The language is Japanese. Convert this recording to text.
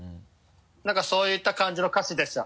なんかそういった感じの歌詞でした。